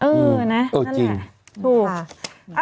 เออนั่นแหละ